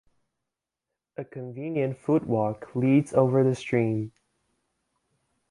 A convenient footwalk leads over the stream.